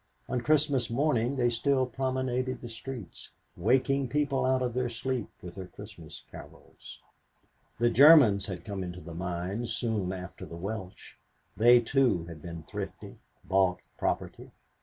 On Christmas morning they still promenaded the streets, waking people out of their sleep with their Christmas carols. The Germans had come into the mines soon after the Welsh. They too had been thrifty bought property.